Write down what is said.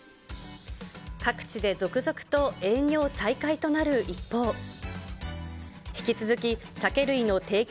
各地で続々と営業再開となる一方、引き続き酒類の提供